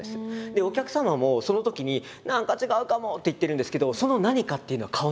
お客様もそのときに「何か違うかも」って言ってるんですけどその何かっていうのは顔なんですね。